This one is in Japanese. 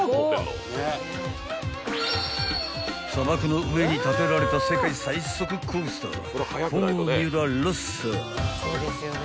［砂漠の上に建てられた世界最速コースター］